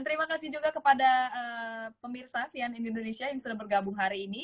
terima kasih juga kepada pemirsa sian indonesia yang sudah bergabung hari ini